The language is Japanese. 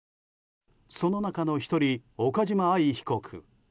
その中の１人、岡島愛被告。